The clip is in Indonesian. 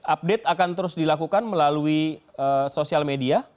update akan terus dilakukan melalui sosial media